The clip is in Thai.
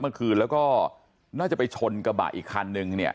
เมื่อคืนแล้วก็น่าจะไปชนกระบะอีกคันนึงเนี่ย